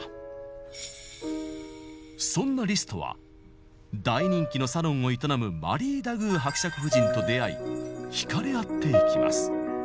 そんなリストは大人気のサロンを営むマリー・ダグー伯爵夫人と出会い惹かれ合っていきます。